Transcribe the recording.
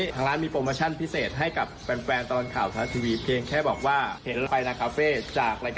โทรไปสอบถามก็ได้เผื่อใครจะไป